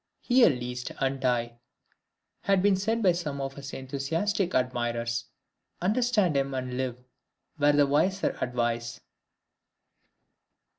"Hear Liszt and die," has been said by some of his enthusiastic admirers understand him and live, were the wiser advice!